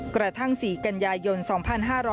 กระทั่งสีกัญญายนต์๒๕๖๓